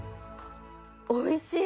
おいしい！